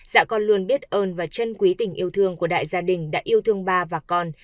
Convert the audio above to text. dạ con luôn biết ơn và chân quý tình yêu thương của đại gia đình đã yêu thương ba và con